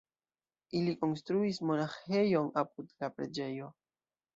Ili konstruis monaĥejon apud la preĝejo.